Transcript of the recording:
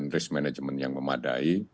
risk management yang memadai